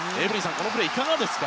このプレーいかがですか？